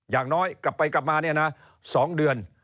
อย่างน้อยกลับไปกลับมา๒เดือน